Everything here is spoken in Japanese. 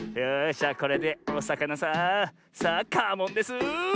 じゃこれでおさかなさんさあカモンです。